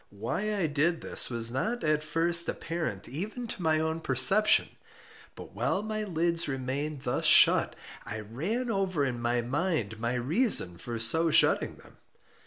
Why I did this was not at first apparent even to my own perception. But while my lids remained thus shut, I ran over in my mind my reason for so shutting them.